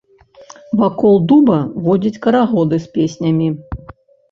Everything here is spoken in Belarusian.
Вакол дуба водзяць карагоды з песнямі.